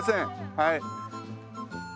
はい。